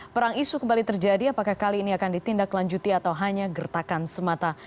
perang isu kembali terjadi apakah kali ini akan ditindaklanjuti atau hanya gertakan semata